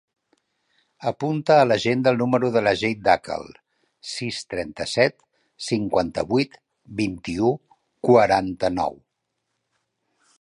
Apunta a l'agenda el número de la Jade Dacal: sis, trenta-set, cinquanta-vuit, vint-i-u, quaranta-nou.